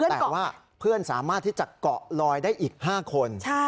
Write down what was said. แต่ว่าเพื่อนสามารถที่จะเกาะลอยได้อีก๕คน